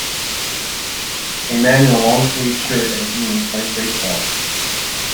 A man in a longsleeve shirt and jeans plays basketball.